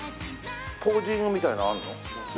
ポージングみたいなのあるの？